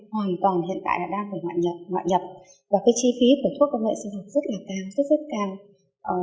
hoàn toàn hiện tại đã đang phải ngoại nhập và cái chi phí của thuốc công nghệ sinh học rất là cao rất rất cao